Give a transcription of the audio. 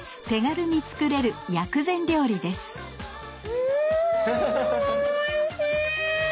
うんおいしい！